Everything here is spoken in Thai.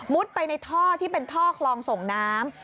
ไปในท่อที่เป็นท่อคลองส่งน้ำ